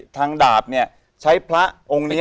เก็บเงินซื้อพระองค์เนี่ยเก็บเงินซื้อพระองค์เนี่ย